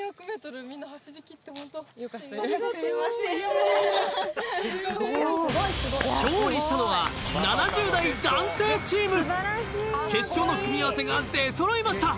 みんな走りきってホント勝利したのは７０代男性チーム決勝の組み合わせが出揃いました